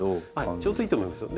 ちょうどいいと思いますよ。